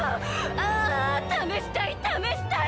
あ試したい試したい！